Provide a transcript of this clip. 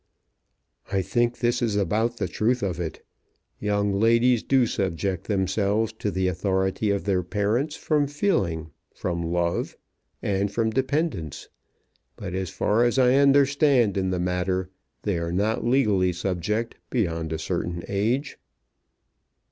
"I think this is about the truth of it. Young ladies do subject themselves to the authority of their parents from feeling, from love, and from dependence; but, as far as I understand in the matter, they are not legally subject beyond a certain age."